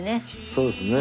そうですね。